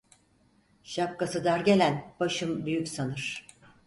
Şapkası dar gelen, başım büyük sanır.